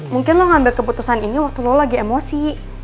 mungkin lo ngambil keputusan ini waktu lo lagi emosi